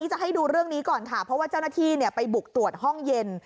จะให้ดูเรื่องนี้ก่อนค่ะเพราะว่าเจ้าหน้าที่ไปบุกตรวจห้องเย็น